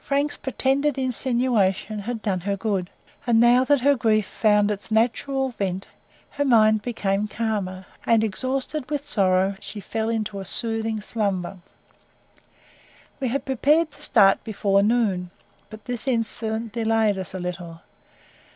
Frank's pretended insinuation had done her good; and now that her grief found its natural vent, her mind became calmer, and exhausted with sorrow, she fell into a soothing slumber. We had prepared to start before noon, but this incident delayed us a little.